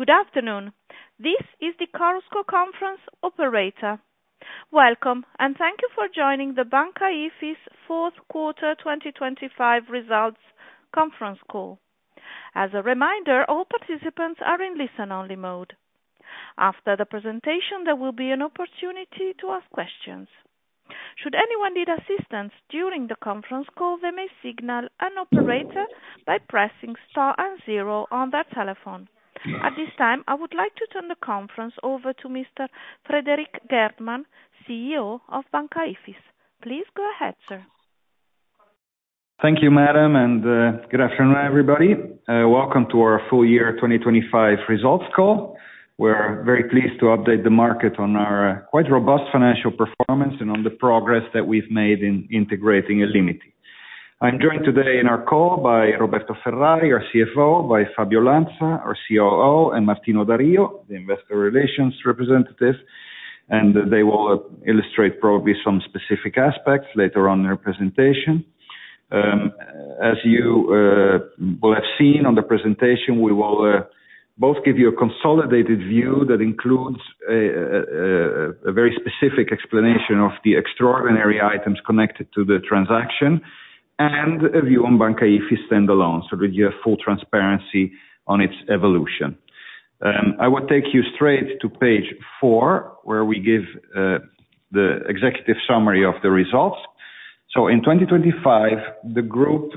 Good afternoon. This is the Chorus Call operator. Welcome, and thank you for joining the Banca Ifis fourth quarter 2025 results conference call. As a reminder, all participants are in listen-only mode. After the presentation, there will be an opportunity to ask questions. Should anyone need assistance during the conference call, they may signal an operator by pressing star and zero on their telephone. At this time, I would like to turn the conference over to Mr. Frederik Geertman, CEO of Banca Ifis. Please go ahead, sir. Thank you, madam. Good afternoon, everybody. Welcome to our full year 2025 results call. We're very pleased to update the market on our quite robust financial performance and on the progress that we've made in integrating illimity. I'm joined today in our call by Roberto Ferrari, our CFO, by Fabio Lanza, our COO, and Martino Da Rio, the Investor Relations representative, and they will illustrate probably some specific aspects later on in our presentation. As you will have seen on the presentation, we will both give you a consolidated view that includes a very specific explanation of the extraordinary items connected to the transaction and a view on Banca IFIS standalone. We give full transparency on its evolution. I will take you straight to Page 4, where we give the executive summary of the results. In 2025, the group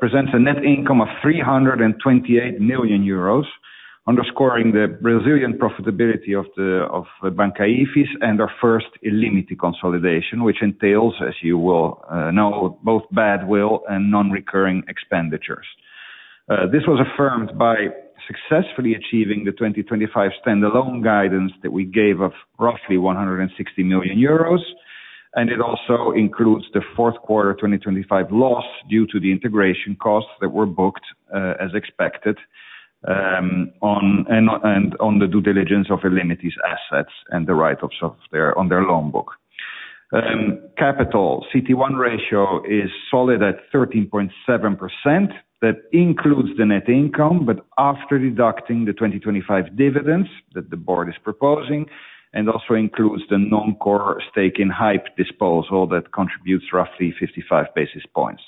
presents a net income of 328 million euros, underscoring the underlying profitability of Banca Ifis and our first illimity consolidation, which entails, as you will know, both badwill and non-recurring expenditures. This was affirmed by successfully achieving the 2025 standalone guidance that we gave of roughly 160 million euros, and it also includes the fourth quarter 2025 loss due to the integration costs that were booked, as expected, on the due diligence of illimity's assets and the write-offs of their loan book. Capital CET1 ratio is solid at 13.7%. That includes the net income, but after deducting the 2025 dividends that the Board is proposing, and also includes the non-core stake in Hype disposal that contributes roughly 55 basis points.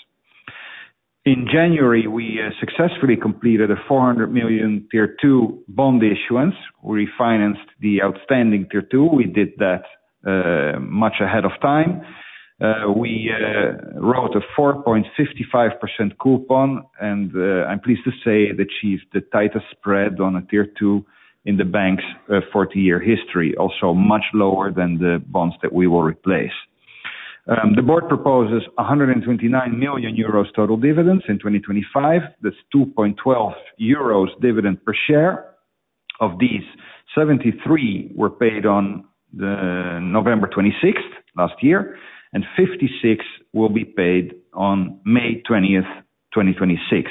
In January, we successfully completed a 400 million Tier 2 bond issuance. We financed the outstanding Tier 2. We did that much ahead of time. We wrote a 4.55% coupon, and I'm pleased to say it achieved the tighter spread on a Tier 2 in the bank's 40-year history, also much lower than the bonds that we will replace. The board proposes 129 million euros total dividends in 2025. That's 2.12 euros dividend per share. Of these, 73 were paid on November 26th last year, and 56 will be paid on May 20th, 2026.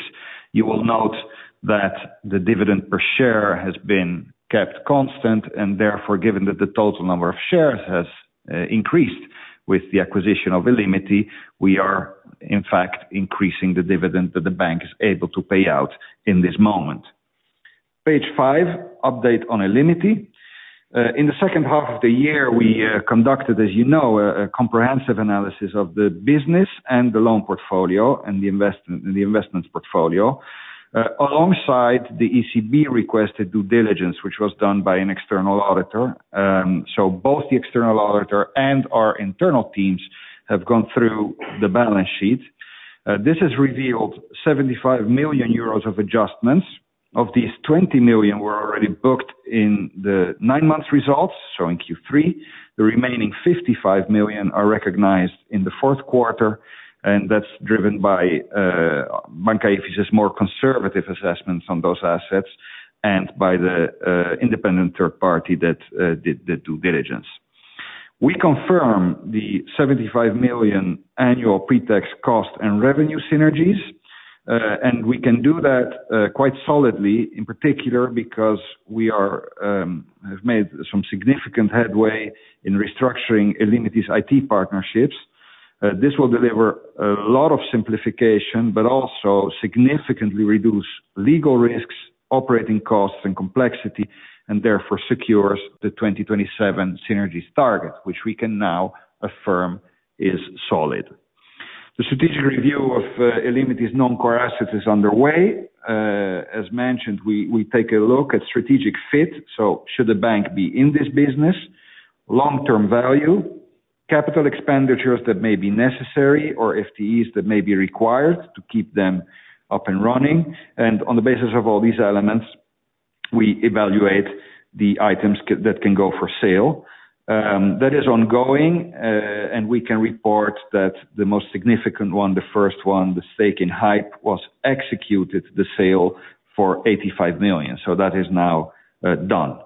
You will note that the dividend per share has been kept constant and therefore, given that the total number of shares has increased with the acquisition of illimity, we are in fact increasing the dividend that the bank is able to pay out in this moment. Page 5, update on illimity. In the second half of the year, we conducted, as you know, a comprehensive analysis of the business and the loan portfolio and the investments portfolio alongside the ECB-requested due diligence, which was done by an external auditor. So both the external auditor and our internal teams have gone through the balance sheet. This has revealed 75 million euros of adjustments. Of these, 20 million were already booked in the nine-month results, so in Q3. The remaining 55 million are recognized in the fourth quarter, and that's driven by Banca Ifis' more conservative assessments on those assets and by the independent third party that did the due diligence. We confirm the 75 million annual pre-tax cost and revenue synergies, and we can do that quite solidly, in particular because we have made some significant headway in restructuring illimity's IT partnerships. This will deliver a lot of simplification, but also significantly reduce legal risks, operating costs and complexity, and therefore secures the 2027 synergies target, which we can now affirm is solid. The strategic review of illimity's non-core assets is underway. As mentioned, we take a look at strategic fit. Should the bank be in this business? Long-term value, capital expenditures that may be necessary or FTEs that may be required to keep them up and running, and on the basis of all these elements, we evaluate the items that can go for sale. That is ongoing, and we can report that the most significant one, the first one, the stake in Hype, was executed the sale for 85 million. That is now done.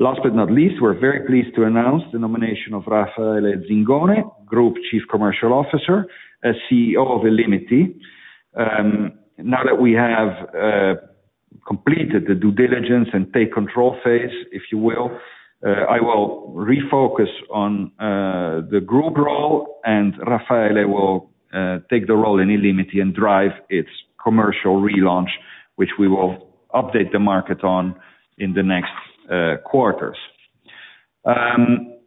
Last but not least, we're very pleased to announce the nomination of Raffaele Zingone, Group Chief Commercial Officer, as CEO of illimity. Now that we have completed the due diligence and take control phase, if you will, I will refocus on the group role and Raffaele will take the role in illimity and drive its commercial relaunch, which we will update the market on in the next quarters.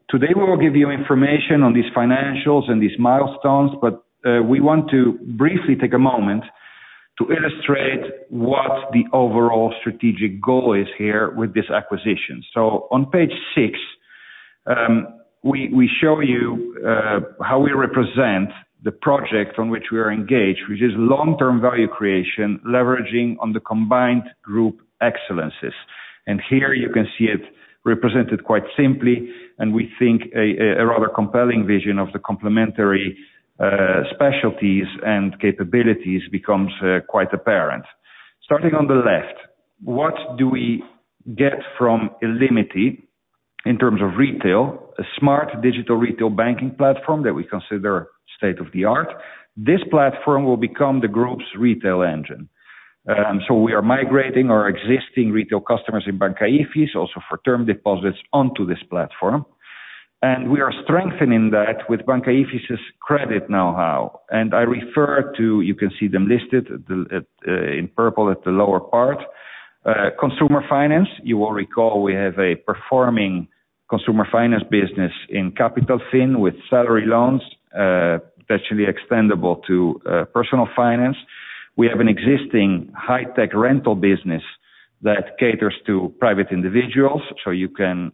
Today we will give you information on these financials and these milestones, but we want to briefly take a moment to illustrate what the overall strategic goal is here with this acquisition. On Page 6, we show you how we represent the project on which we are engaged, which is long-term value creation, leveraging on the combined group excellences. Here you can see it represented quite simply, and we think a rather compelling vision of the complementary specialties and capabilities becomes quite apparent. Starting on the left, what do we get from illimity in terms of retail? A smart digital retail banking platform that we consider state-of-the-art. This platform will become the group's retail engine. We are migrating our existing retail customers in Banca Ifis also for term deposits onto this platform. We are strengthening that with Banca Ifis' credit know-how, and I refer to them. You can see them listed at the in purple at the lower part. Consumer finance, you will recall we have a performing consumer finance business in Capitalfin with salary loans, potentially extendable to personal finance. We have an existing high-tech rental business that caters to private individuals, so you can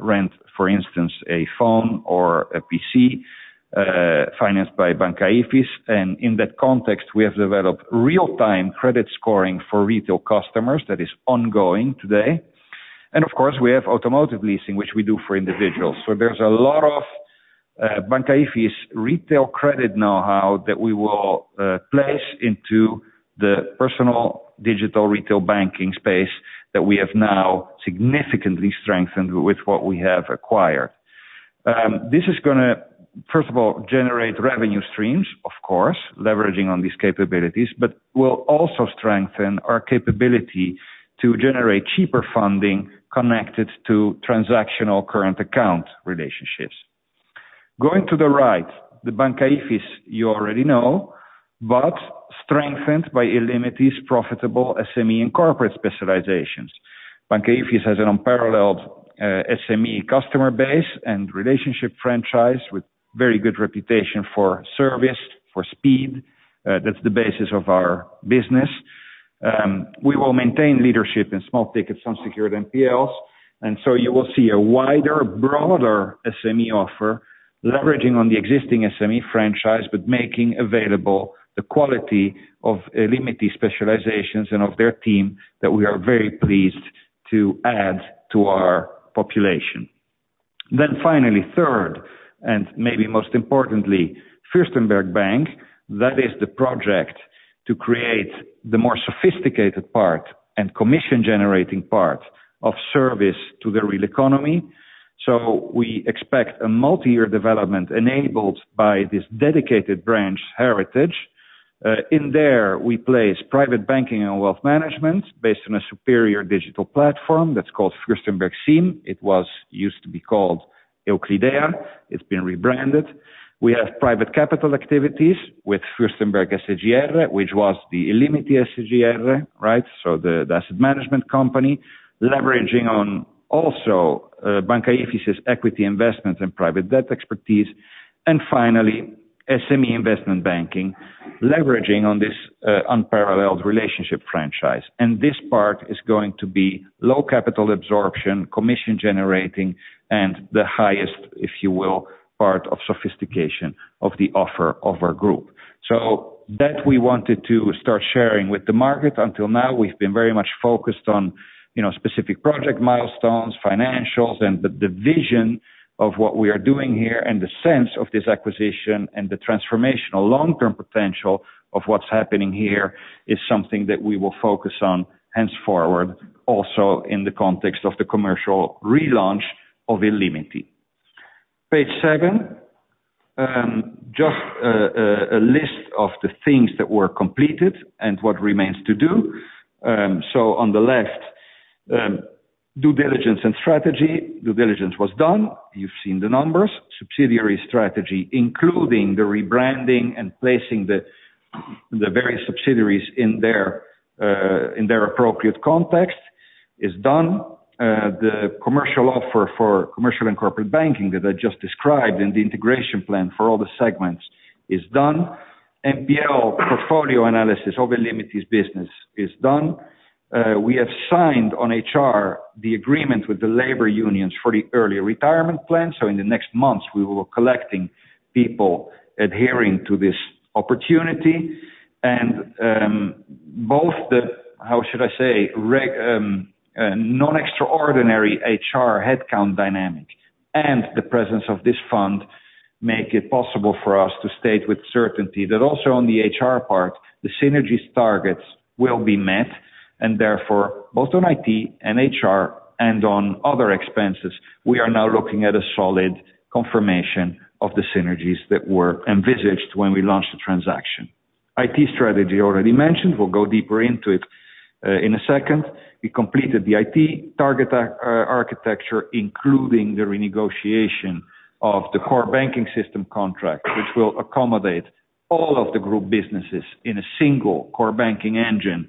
rent, for instance, a phone or a PC, financed by Banca Ifis, and in that context, we have developed real-time credit scoring for retail customers that is ongoing today. Of course, we have automotive leasing, which we do for individuals. There's a lot of Banca Ifis retail credit know-how that we will place into the personal digital retail banking space that we have now significantly strengthened with what we have acquired. This is gonna, first of all, generate revenue streams, of course, leveraging on these capabilities, but will also strengthen our capability to generate cheaper funding connected to transactional current account relationships. Going to the right, the Banca Ifis you already know, but strengthened by illimity's profitable SME and corporate specializations. Banca Ifis has an unparalleled SME customer base and relationship franchise with very good reputation for service, for speed. That's the basis of our business. We will maintain leadership in small ticket, some secured NPLs. You will see a wider, broader SME offer leveraging on the existing SME franchise, but making available the quality of illimity specializations and of their team that we are very pleased to add to our population. Finally, third, and maybe most importantly, Fürstenberg Bank, that is the project to create the more sophisticated part and commission-generating part of service to the real economy. We expect a multi-year development enabled by this dedicated brand heritage. In there we place private banking and wealth management based on a superior digital platform that's called Fürstenberg SIM. It was used to be called Euclidea. It's been rebranded. We have private capital activities with Fürstenberg SGR, which was the illimity SGR, right? The asset management company, leveraging on also, Banca Ifis' equity investments and private debt expertise. Finally, SME investment banking, leveraging on this unparalleled relationship franchise. This part is going to be low capital absorption, commission generating, and the highest, if you will, part of sophistication of the offer of our group. So that we wanted to start sharing with the market. Until now, we've been very much focused on, you know, specific project milestones, financials, and the vision of what we are doing here and the sense of this acquisition and the transformational long-term potential of what's happening here is something that we will focus on henceforward also in the context of the commercial relaunch of illimity. Page 7, just a list of the things that were completed and what remains to do. On the left, due diligence and strategy. Due diligence was done. You've seen the numbers. Subsidiary strategy, including the rebranding and placing the various subsidiaries in their appropriate context is done. The commercial offer for commercial and corporate banking that I just described, and the integration plan for all the segments is done. NPL portfolio analysis of illimity's business is done. We have signed the agreement on HR with the labor unions for the early retirement plan, so in the next months we will be collecting people adhering to this opportunity. Both the, how should I say? Regarding non-extraordinary HR headcount dynamic and the presence of this fund make it possible for us to state with certainty that also on the HR part, the synergies targets will be met. Therefore, both on IT and HR and on other expenses, we are now looking at a solid confirmation of the synergies that were envisaged when we launched the transaction. IT strategy already mentioned, we'll go deeper into it in a second. We completed the IT target architecture, including the renegotiation of the core banking system contract, which will accommodate all of the group businesses in a single core banking engine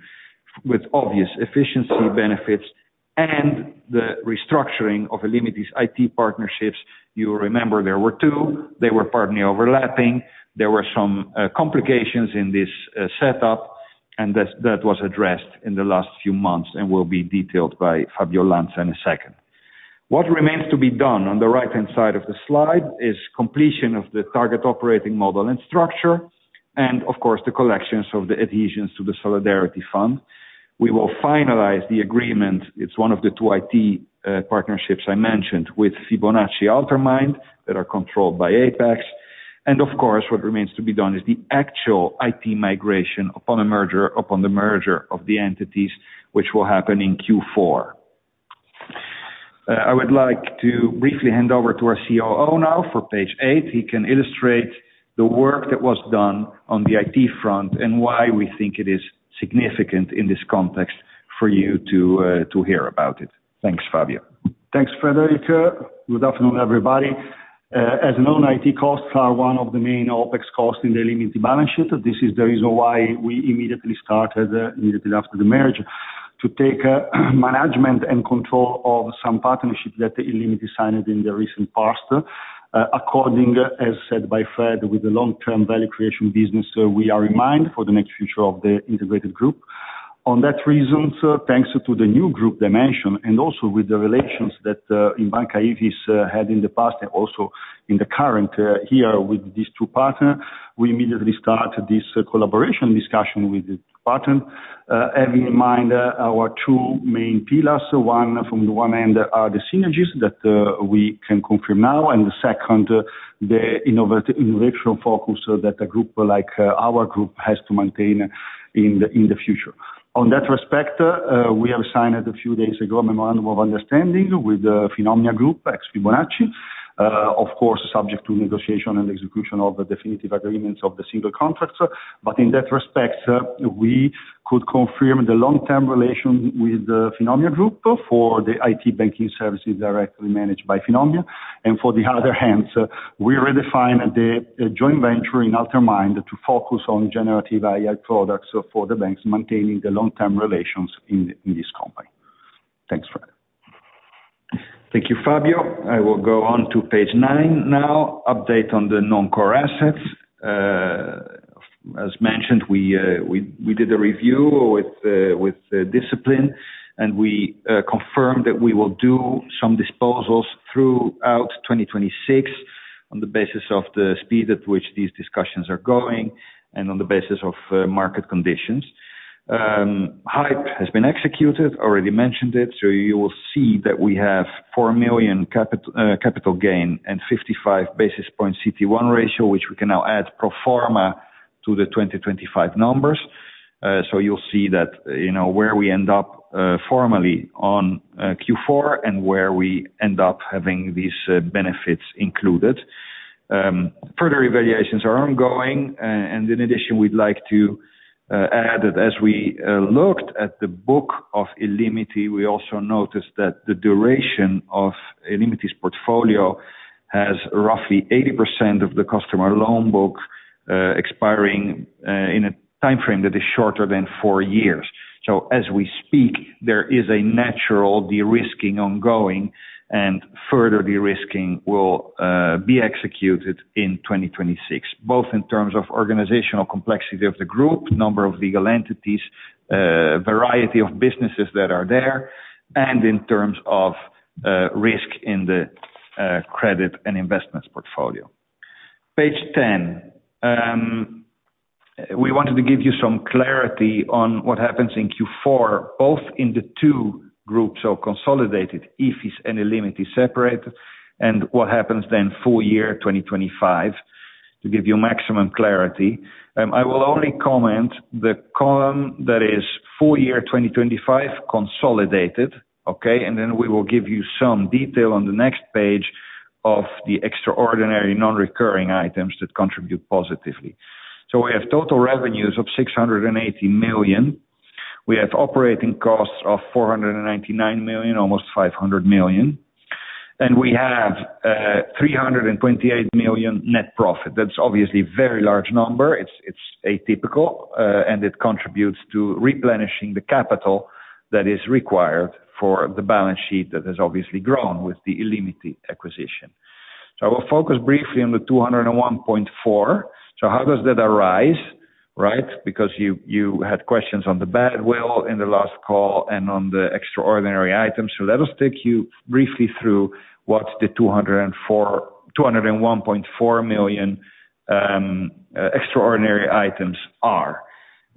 with obvious efficiency benefits and the restructuring of illimity's IT partnerships. You remember there were two, they were partly overlapping. There were some complications in this setup, and that was addressed in the last few months and will be detailed by Fabio Lanza in a second. What remains to be done on the right-hand side of the slide is completion of the target operating model and structure, and of course, the collections of the adhesions to the solidarity fund. We will finalize the agreement. It's one of the two IT partnerships I mentioned with Fibonacci altermAInd that are controlled by Apax. Of course, what remains to be done is the actual IT migration upon the merger of the entities, which will happen in Q4. I would like to briefly hand over to our COO now for Page 8. He can illustrate the work that was done on the IT front and why we think it is significant in this context for you to hear about it. Thanks, Fabio. Thanks, Frederik. Good afternoon, everybody. As known, IT costs are one of the main OpEx costs in the limited balance sheet. This is the reason why we immediately started after the merger to take management and control of some partnerships that illimity signed in the recent past. According as said by Fred, with the long-term value creation business we have in mind for the next future of the integrated group. On that reason, thanks to the new group dimension and also with the relations that Banca Ifis had in the past and also in the current here with these two partners, we immediately start this collaboration discussion with the partner. Having in mind our two main pillars, one from one end are the synergies that we can confirm now, and the second, the intellectual focus so that a group like our group has to maintain in the future. On that respect, we have signed a few days ago, Memorandum of Understanding with the Finomnia Group, ex-Fibonacci. Of course, subject to negotiation and execution of the definitive agreements of the single contracts. In that respect, we could confirm the long-term relation with the Finomnia Group for the IT banking services directly managed by Finomnia. For the other hand, we redefine the joint venture in altermAInd to focus on generative AI products for the banks, maintaining the long-term relations in this company. Thanks, Fred. Thank you, Fabio. I will go on to Page 9 now. Update on the non-core assets. As mentioned, we did a review with discipline, and we confirmed that we will do some disposals throughout 2026 on the basis of the speed at which these discussions are going and on the basis of market conditions. Hype has been executed, already mentioned it, so you will see that we have 4 million capital gain and 55 basis points CET1 ratio, which we can now add pro forma to the 2025 numbers. So you'll see that, you know, where we end up formally on Q4 and where we end up having these benefits included. Further evaluations are ongoing. In addition, we'd like to add that as we looked at the book of illimity, we also noticed that the duration of illimity's portfolio has roughly 80% of the customer loan book expiring in a timeframe that is shorter than four years. As we speak, there is a natural de-risking ongoing and further de-risking will be executed in 2026, both in terms of organizational complexity of the group, number of legal entities, variety of businesses that are there, and in terms of risk in the credit and investments portfolio. Page 10. We wanted to give you some clarity on what happens in Q4, both in the two groups of consolidated, Ifis and illimity separate, and what happens then full year 2025 to give you maximum clarity. I will only comment on the column that is full year 2025 consolidated, okay? Then we will give you some detail on the next page of the extraordinary non-recurring items that contribute positively. We have total revenues of 680 million. We have operating costs of 499 million, almost 500 million. We have 328 million net profit. That's obviously a very large number. It's atypical, and it contributes to replenishing the capital that is required for the balance sheet that has obviously grown with the illimity acquisition. I will focus briefly on the 201.4 million. How does that arise, right? Because you had questions on the bad will in the last call and on the extraordinary items. Let us take you briefly through what the 201.4 million extraordinary items are.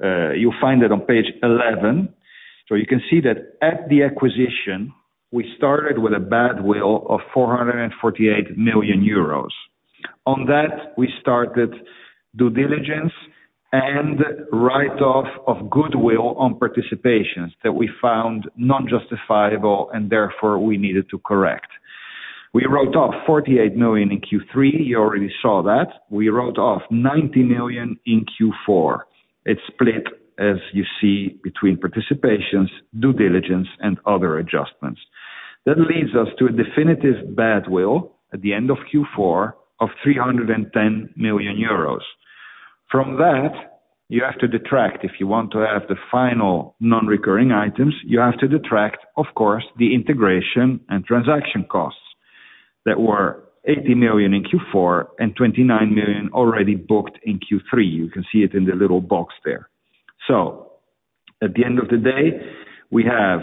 You'll find it on Page 11. You can see that at the acquisition, we started with a badwill of 448 million euros. On that, we started due diligence and write-off of goodwill on participations that we found non-justifiable, and therefore, we needed to correct. We wrote off 48 million in Q3. You already saw that. We wrote off 90 million in Q4. It's split, as you see, between participations, due diligence, and other adjustments. That leads us to a definitive badwill at the end of Q4 of 310 million euros. From that, you have to detract, if you want to have the final non-recurring items, of course, the integration and transaction costs that were 80 million in Q4 and 29 million already booked in Q3. You can see it in the little box there. At the end of the day, we have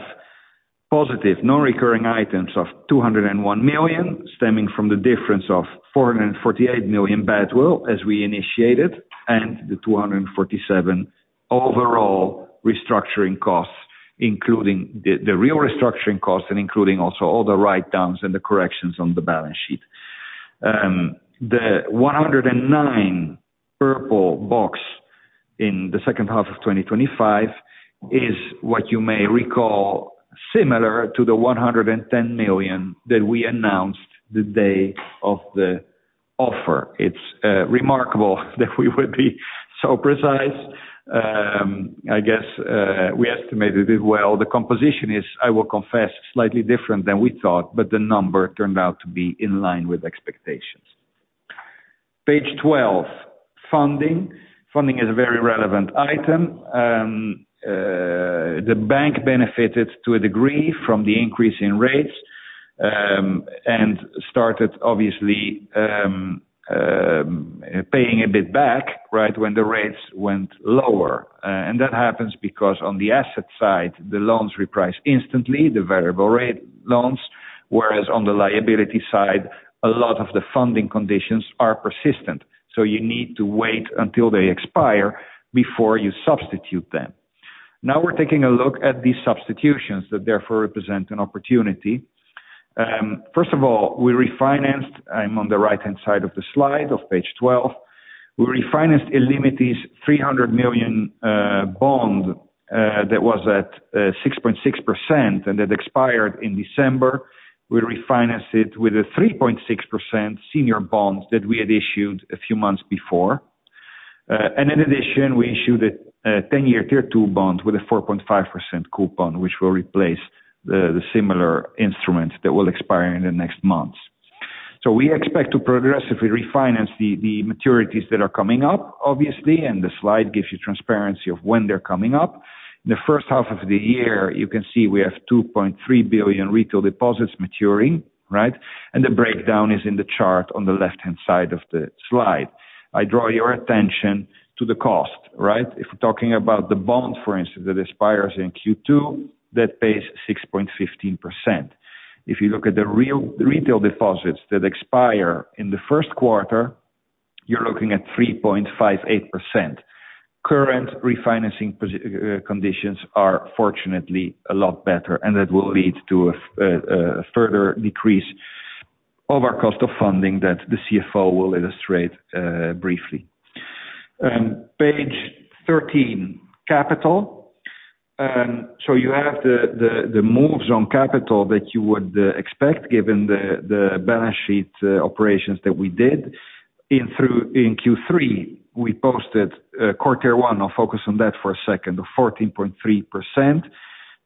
positive non-recurring items of 201 million stemming from the difference of 448 million badwill as we initiated, and the 247 million overall restructuring costs, including the real restructuring costs and including also all the write-downs and the corrections on the balance sheet. The 109 million purple box in the second half of 2025 is what you may recall, similar to the 110 million that we announced the day of the offer. It's remarkable that we would be so precise. I guess we estimated it well. The composition is, I will confess, slightly different than we thought, but the number turned out to be in line with expectations. Page 12, funding. Funding is a very relevant item. The bank benefited to a degree from the increase in rates and started obviously paying a bit back, right, when the rates went lower. That happens because on the asset side, the loans reprice instantly, the variable rate loans, whereas on the liability side, a lot of the funding conditions are persistent, so you need to wait until they expire before you substitute them. Now we're taking a look at these substitutions that therefore represent an opportunity. First of all, we refinanced on the right-hand side of the slide of Page 12. We refinanced illimity's 300 million bond that was at 6.6%, and that expired in December. We refinanced it with a 3.6% senior bond that we had issued a few months before. In addition, we issued a 10-year Tier 2 bond with a 4.5% coupon, which will replace the similar instruments that will expire in the next months. We expect to progressively refinance the maturities that are coming up, obviously, and the slide gives you transparency of when they're coming up. The first half of the year, you can see we have 2.3 billion retail deposits maturing, right? The breakdown is in the chart on the left-hand side of the slide. I draw your attention to the cost, right? If we're talking about the bond, for instance, that expires in Q2, that pays 6.15%. If you look at the real retail deposits that expire in the first quarter, you're looking at 3.58%. Current refinancing conditions are fortunately a lot better, and that will lead to a further decrease of our cost of funding that the CFO will illustrate briefly. Page 13, capital. So you have the moves on capital that you would expect given the balance sheet operations that we did. In Q3, we posted CET1, I'll focus on that for a second, of 14.3%.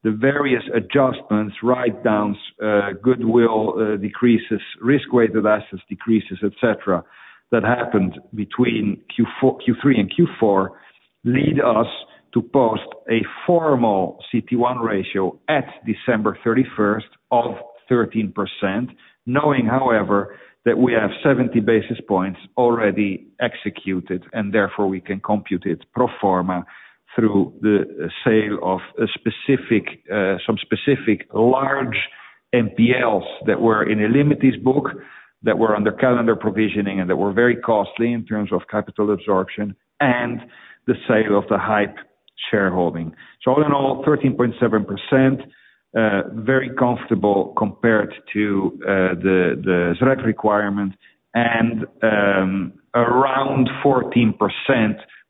The various adjustments, write-downs, goodwill decreases, risk-weighted assets decreases, etc., that happened between Q3 and Q4 lead us to post a formal CET1 ratio at December 31st of 13%. Knowing, however, that we have 70 basis points already executed, and therefore we can compute it pro forma through the sale of specific large NPLs that were in illimity's book, that were under calendar provisioning and that were very costly in terms of capital absorption and the sale of the Hype shareholding. All in all, 13.7%, very comfortable compared to the SREC requirement and around 14%,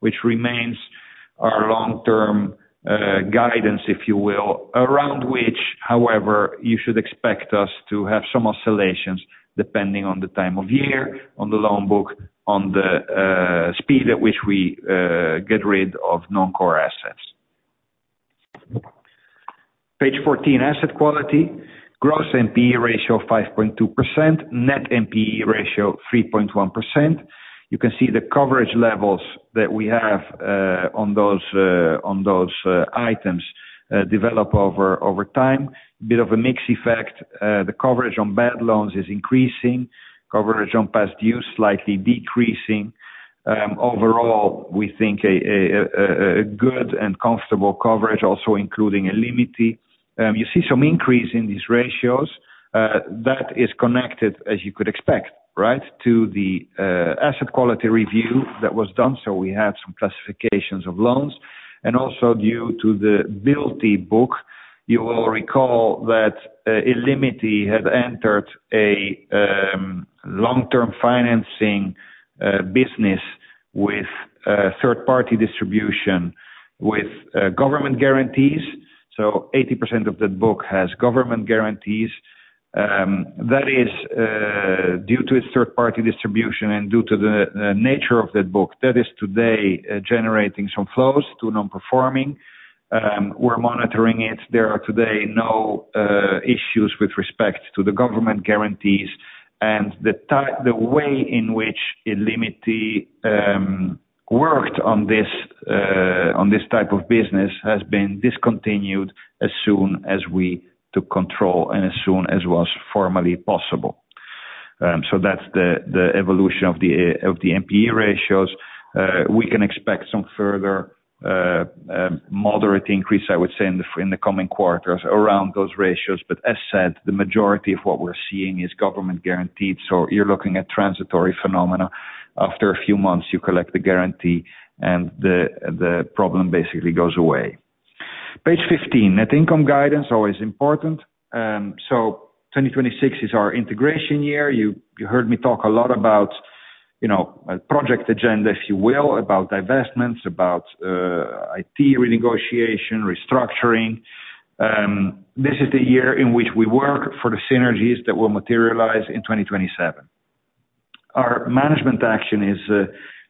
which remains our long-term guidance, if you will, around which, however, you should expect us to have some oscillations depending on the time of year, on the loan book, on the speed at which we get rid of non-core assets. Page 14, asset quality. Gross NPE ratio of 5.2%. Net NPE ratio, 3.1%. You can see the coverage levels that we have on those items develop over time. A bit of a mix effect. The coverage on bad loans is increasing. Coverage on past due is slightly decreasing. Overall, we think a good and comfortable coverage also including illimity. You see some increase in these ratios, that is connected, as you could expect, right, to the asset quality review that was done. We had some classifications of loans, and also due to the b-ilty book, you will recall that, illimity had entered a long-term financing business with third-party distribution with government guarantees. 80% of that book has government guarantees. That is due to its third party distribution and due to the nature of that book, that is today generating some flows to non-performing. We're monitoring it. There are today no issues with respect to the government guarantees and the way in which illimity worked on this on this type of business has been discontinued as soon as we took control and as soon as was formally possible. That's the evolution of the NPE ratios. We can expect some further moderate increase, I would say, in the coming quarters around those ratios. As said, the majority of what we're seeing is government guaranteed. You're looking at transitory phenomena. After a few months, you collect the guarantee and the problem basically goes away. Page 15. Net income guidance, always important. 2026 is our integration year. You heard me talk a lot about, you know, a project agenda, if you will, about divestments, about IT renegotiation, restructuring. This is the year in which we work for the synergies that will materialize in 2027. Our management action is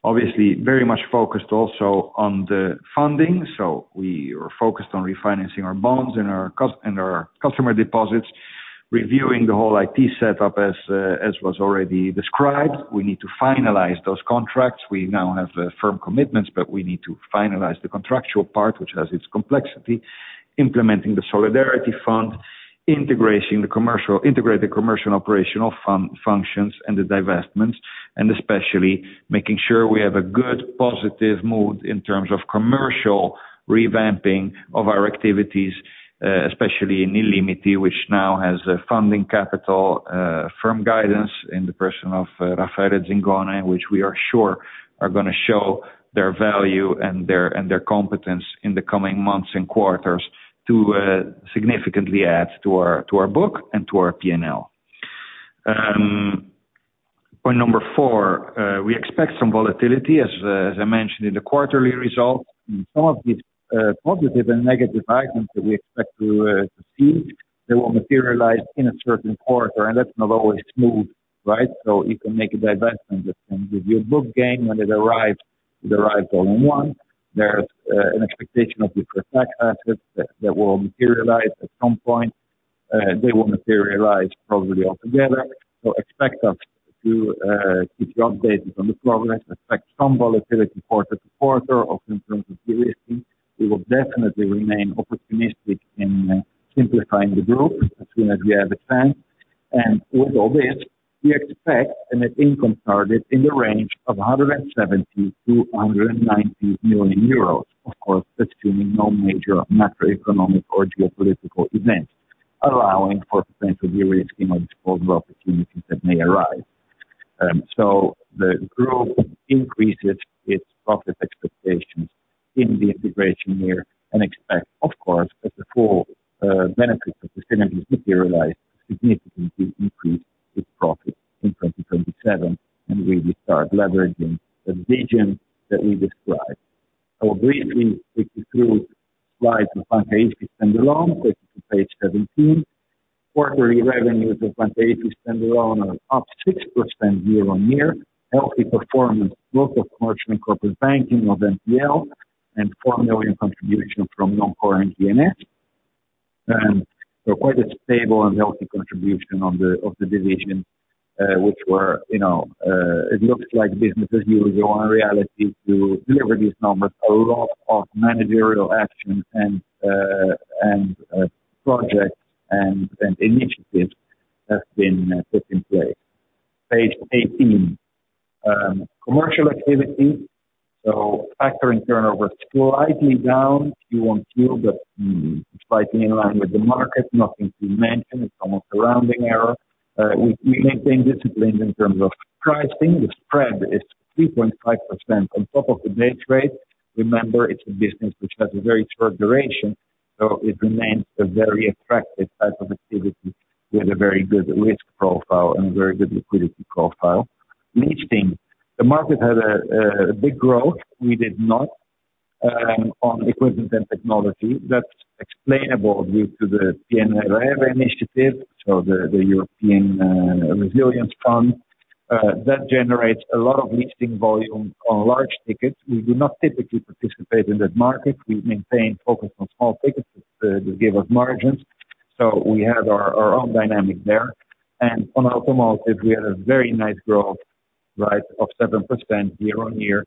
obviously very much focused also on the funding. We are focused on refinancing our bonds and our customer deposits, reviewing the whole IT setup as was already described. We need to finalize those contracts. We now have firm commitments, but we need to finalize the contractual part, which has its complexity. Implementing the solidarity fund, integrate the commercial operational functions and the divestments, and especially making sure we have a good positive mood in terms of commercial revamping of our activities, especially in illimity, which now has a funding capital firm guidance in the person of Raffaele Zingone, which we are sure are gonna show their value and their competence in the coming months and quarters to significantly add to our book and to our P&L. Point number four, we expect some volatility. As I mentioned in the quarterly results, some of these positive and negative items that we expect to see, they will materialize in a certain quarter, and that's not always smooth, right? You can make a divestment that can give you a book gain. When it arrives, it arrives all in one. There's an expectation of deferred tax assets that will materialize at some point. They will materialize probably all together. Expect us to keep you updated on the progress. Expect some volatility quarter to quarter in terms of de-risking. We will definitely remain opportunistic in simplifying the group as soon as we have a chance. With all this, we expect a net income target in the range of 170 million-190 million euros. Of course, assuming no major macroeconomic or geopolitical events, allowing for potential de-risking or disposal opportunities that may arise. The group increases its profit expectations in the integration year and expect, of course, as the full benefits of the synergies materialize, significantly increase its profit in 2027, and really start leveraging the vision that we described. Briefly, 52 slide to Banca Ifis standalone. Take it to Page 17. Quarterly revenues of Banca Ifis standalone are up 6% year-on-year. Healthy performance, both of commercial and corporate banking of NPL, and 4 million contribution from non-core NPNs. Quite a stable and healthy contribution on the of the division, which were, you know, it looks like business as usual. In reality, to deliver these numbers, a lot of managerial action and projects and initiatives have been put in place. Page 18. Commercial activity. Factor in, turnover slightly down Q-on-Q, but slightly in line with the market, nothing to mention. It's almost a rounding error. We maintain discipline in terms of pricing. The spread is 3.5% on top of the base rate. Remember, it's a business which has a very short duration, so it remains a very attractive type of activity with a very good risk profile and very good liquidity profile. Leasing. The market had a big growth. We did not on equipment and technology. That's explainable due to the PNRR initiative. The European Resilience Fund that generates a lot of leasing volume on large tickets. We do not typically participate in that market. We maintain focus on small tickets that give us margins. We have our own dynamic there. On automotive, we had a very nice growth, right, of 7% year-on-year.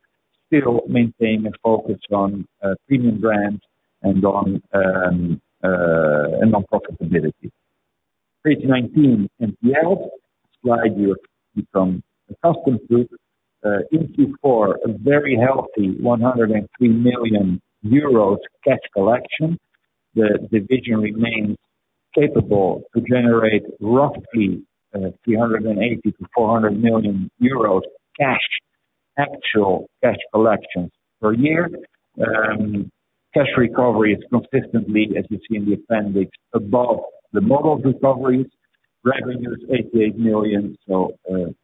Still maintain a focus on premium brands and on profitability. Page 19, NPL. Slide you have become accustomed to. In Q4, a very healthy 103 million euros cash collection. The division remains capable to generate roughly 380 million-400 million euros cash, actual cash collections per year. Cash recovery is consistently, as you see in the appendix, above the model's recoveries. Revenue is 88 million, so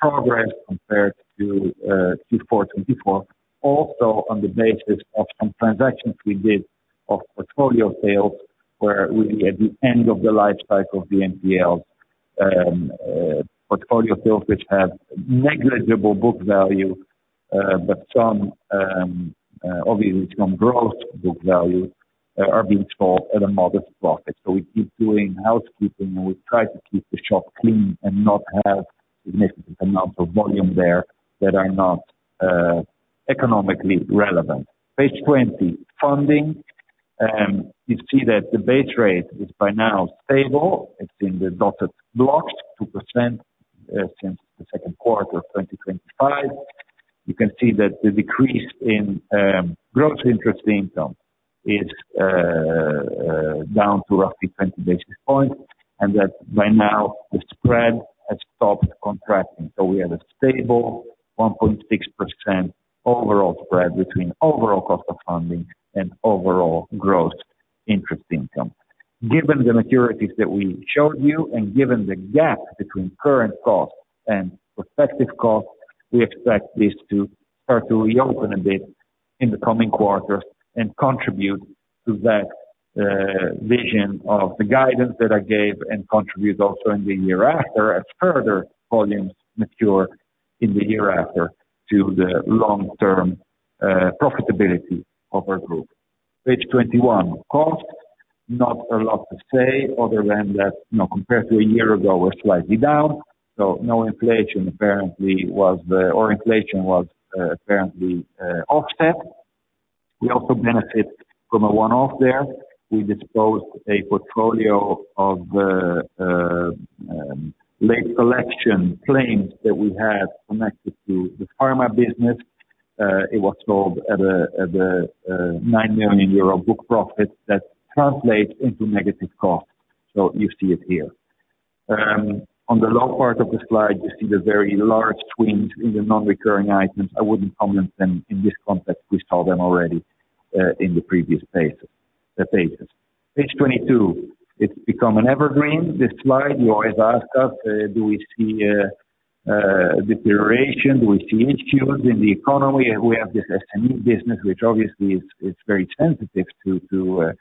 progress compared to Q4 2024. On the basis of some transactions we did of portfolio sales, where we at the end of the life cycle of the NPL portfolio sales, which have negligible book value, but some obviously some gross book value are being sold at a modest profit. We keep doing housekeeping, and we try to keep the shop clean and not have significant amounts of volume there that are not economically relevant. Page 20, funding. You see that the base rate is by now stable. It's in the dotted blocks, 2%, since the second quarter of 2025. You can see that the decrease in gross interest income is down to roughly 20 basis points, and that by now the spread has stopped contracting. We have a stable 1.6% overall spread between overall cost of funding and overall gross interest income. Given the maturities that we showed you and given the gap between current costs and prospective costs, we expect this to start to reopen a bit in the coming quarters and contribute to that vision of the guidance that I gave and contribute also in the year after as further volumes mature in the year after to the long-term profitability of our group. Page 21, costs. Not a lot to say other than that, you know, compared to a year ago, we're slightly down. Inflation was apparently offset. We also benefit from a one-off there. We disposed a portfolio of late collection claims that we had connected to the pharma business. It was sold at a 9 million euro book profit. That translates into negative costs. You see it here. On the low part of the slide, you see the very large swings in the non-recurring items. I wouldn't comment them in this context. We saw them already in the previous pages. Page 22. It's become an evergreen, this slide. You always ask us do we see deterioration? Do we see issues in the economy? We have this SME business, which obviously is very sensitive to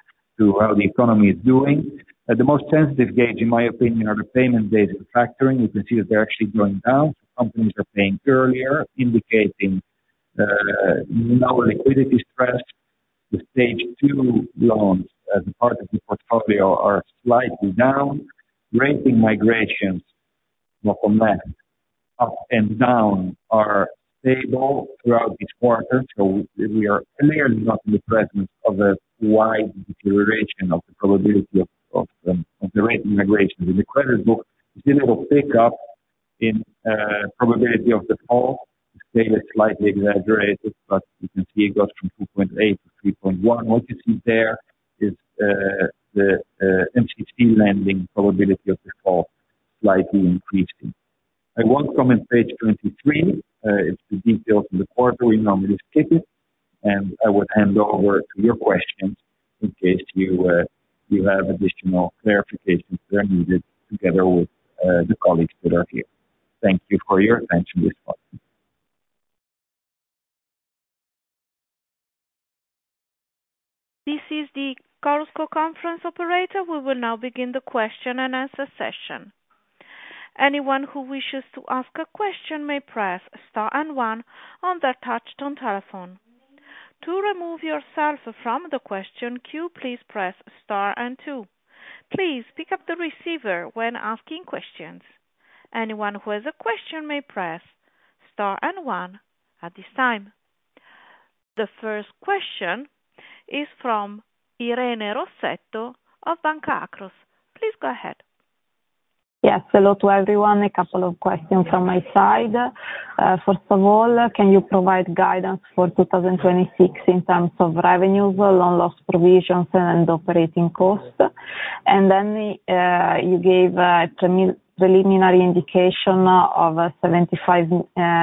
how the economy is doing. At the most sensitive gauge, in my opinion, are the payment data factoring. You can see that they're actually going down. Companies are paying earlier, indicating lower liquidity stress. The Stage 2 loans as part of the portfolio are slightly down. Rating migrations, not on that, up and down are stable throughout each quarter. We are clearly not in the presence of a wide deterioration of the probability of the rating migrations. In the credit book, we see a little pickup in probability of default. The scale is slightly exaggerated, but you can see it goes from 2.8% to 3.1%. What you see there is the MCC lending probability of default slightly increasing. I won't comment Page 23. It's the details of the quarter. We normally skip it, and I would hand over to your questions in case you have additional clarifications that are needed together with the colleagues that are here. Thank you for your attention this morning. This is the Chorus Call conference operator. We will now begin the question-and-answer session. Anyone who wishes to ask a question may press star and one on their touchtone telephone. To remove yourself from the question queue, please press star and two. Please pick up the receiver when asking questions. Anyone who has a question may press star and one at this time. The first question is from Irene Rossetto of Banca Akros. Please go ahead. Yes. Hello to everyone. A couple of questions from my side. First of all, can you provide guidance for 2026 in terms of revenues, loan loss provisions and operating costs? You gave a preliminary indication of EUR 75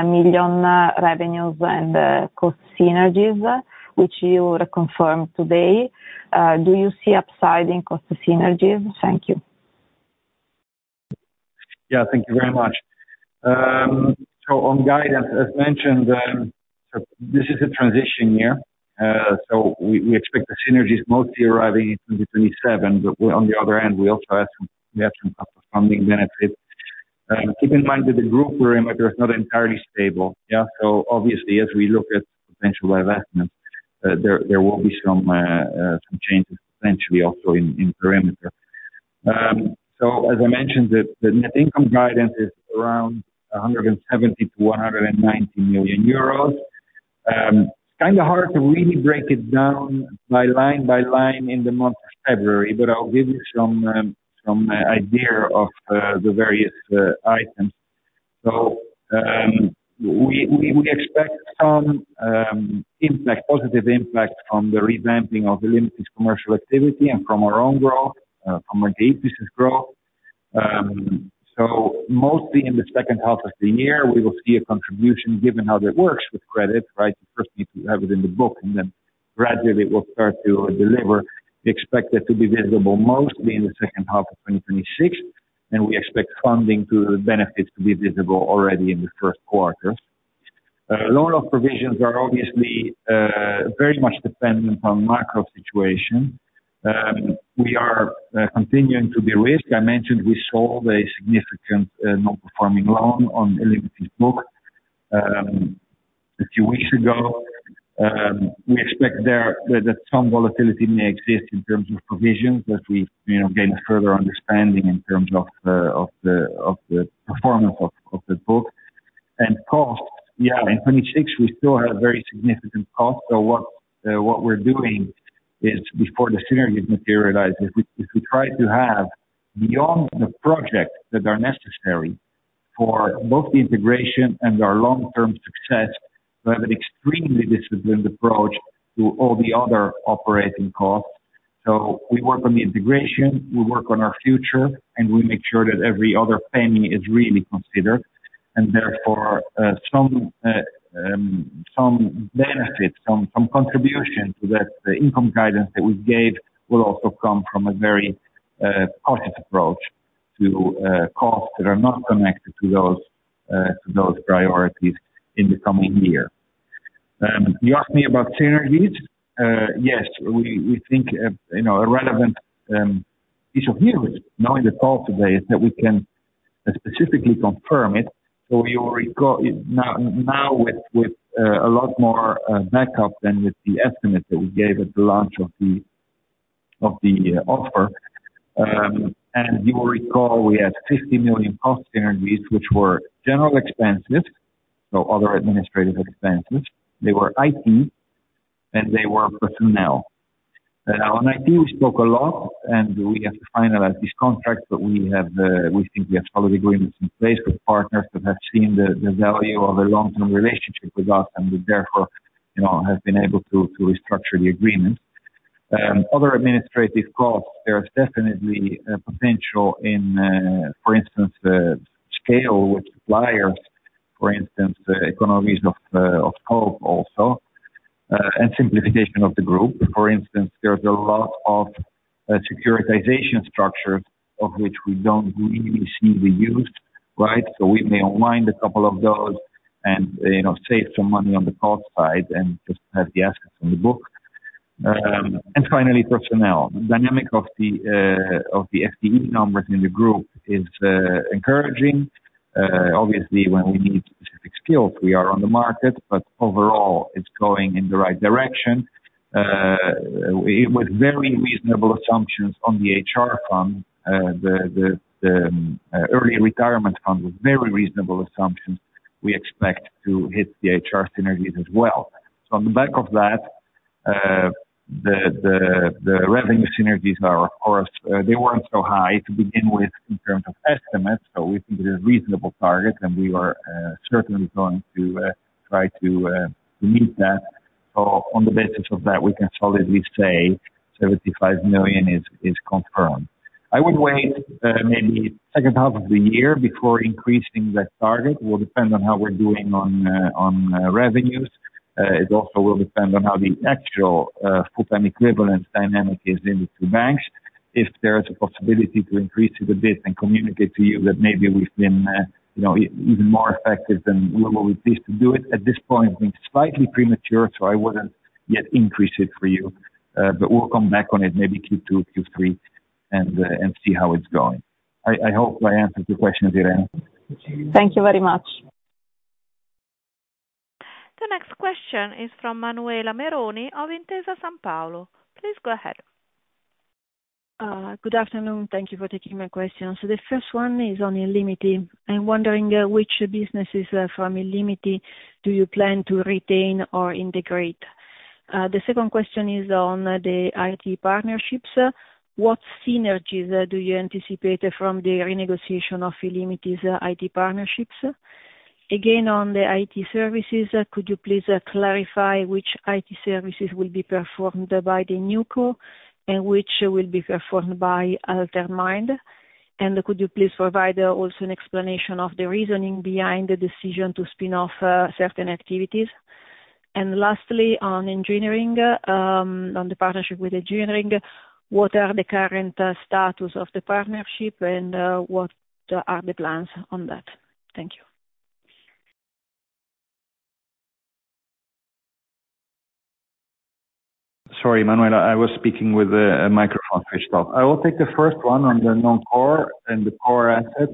million revenues and cost synergies, which you reconfirmed today. Do you see upside in cost synergies? Thank you. Thank you very much. On guidance, as mentioned, this is a transition year. We expect the synergies mostly arriving in 2027. On the other hand, we also have some cost of funding benefit. Keep in mind that the group perimeter is not entirely stable. Obviously, as we look at potential divestments, there will be some changes potentially also in perimeter. As I mentioned, the net income guidance is around 170 million-190 million euros. It's kinda hard to really break it down line by line in the month of February, but I'll give you some idea of the various items. We expect some impact, positive impact from the revamping of illimity's commercial activity and from our own growth, from our data business growth. Mostly in the second half of the year, we will see a contribution given how that works with credit, right? First, we need to have it in the book, and then gradually it will start to deliver. We expect it to be visible mostly in the second half of 2026, and we expect the benefits to be visible already in the first quarter. Loan loss provisions are obviously very much dependent on macro situation. We are continuing to be risk averse. I mentioned we saw a significant non-performing loan on illimity's book a few weeks ago. We expect that some volatility may exist in terms of provisions as we, you know, gain further understanding in terms of the performance of the book. Costs, yeah, in 2026 we still have very significant costs. What we're doing is, before the synergies materialize, we try to have, beyond the projects that are necessary for both the integration and our long-term success, an extremely disciplined approach to all the other operating costs. We work on the integration, we work on our future, and we make sure that every other penny is really considered. Therefore, some benefits, some contribution to that income guidance that we gave will also come from a very positive approach to costs that are not connected to those priorities in the coming year. You asked me about synergies. Yes, we think, you know, a relevant piece of news now in the call today is that we can specifically confirm it. So you'll recall now with a lot more backup than with the estimate that we gave at the launch of the offer. You will recall we had 50 million cost synergies which were general expenses, so other administrative expenses. They were IT, and they were personnel. On IT we spoke a lot, and we have to finalize these contracts, but we think we have solid agreements in place with partners that have seen the value of a long-term relationship with us and we therefore, you know, have been able to restructure the agreements. Other administrative costs, there's definitely a potential in for instance, the scale with suppliers, for instance, the economies of scope also and simplification of the group. For instance, there's a lot of securitization structures of which we don't really see the use, right? So we may unwind a couple of those and, you know, save some money on the cost side and just have the assets on the book. Finally, personnel. The dynamic of the FTE numbers in the group is encouraging. Obviously, when we need specific skills, we are on the market, but overall, it's going in the right direction. It was very reasonable assumptions on the HR fund. The early retirement fund was very reasonable assumptions we expect to hit the HR synergies as well. On the back of that, the revenue synergies are, of course, they weren't so high to begin with in terms of estimates, so we think they're reasonable targets and we are certainly going to try to meet that. On the basis of that, we can solidly say 75 million is confirmed. I would wait, maybe second half of the year before increasing that target. Will depend on how we're doing on revenues. It also will depend on how the actual full time equivalent dynamic is in the two banks. If there's a possibility to increase it a bit and communicate to you that maybe we've been, you know, even more effective than we were pleased to do it. At this point, it's been slightly premature, so I wouldn't yet increase it for you. But we'll come back on it maybe Q2, Q3, and see how it's going. I hope I answered your question, Irene. Thank you very much. The next question is from Manuela Meroni of Intesa Sanpaolo. Please go ahead. Good afternoon. Thank you for taking my question. The first one is on illimity. I'm wondering which businesses from illimity do you plan to retain or integrate? The second question is on the IT partnerships. What synergies do you anticipate from the renegotiation of illimity's IT partnerships? Again, on the IT services, could you please clarify which IT services will be performed by the NewCo and which will be performed by altermAInd? And could you please provide also an explanation of the reasoning behind the decision to spin off certain activities? And lastly, on Engineering, on the partnership with Engineering, what are the current status of the partnership and what are the plans on that? Thank you. Sorry, Manuela. I was speaking with a microphone fishbowl. I will take the first one on the non-core and the core assets,